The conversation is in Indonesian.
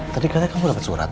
tadi katanya kamu dapat surat